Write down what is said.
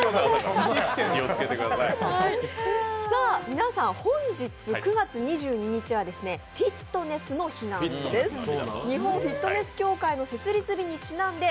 皆さん、本日９月２２日はフィットネスの日なんです。